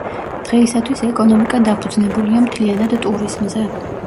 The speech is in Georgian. დღეისათვის ეკონომიკა დაფუძნებულია მთლიანად ტურიზმზე.